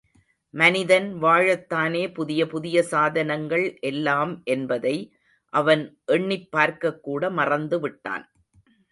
மனிதன் வாழத்தானே புதிய புதிய சாதனங்கள் எல்லாம் என்பதை, அவன் எண்ணிப் பார்க்கக்கூட மறந்து விட்டான்.